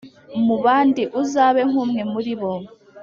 mu bandi, uzabe nk’umwe muri bo,